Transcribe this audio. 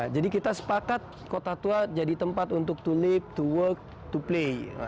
jadi kita sepakat kota tua jadi tempat untuk to live to work to play